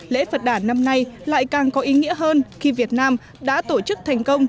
lễ phật đàn năm nay lại càng có ý nghĩa hơn khi việt nam đã tổ chức thành công